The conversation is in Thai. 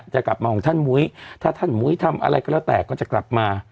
จะกลับมาของท่านมุ้ยถ้าท่านมุ้ยทำอะไรก็แล้วแต่ก็จะกลับมา